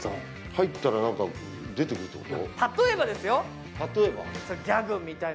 入ったら、何か出てくるってこと？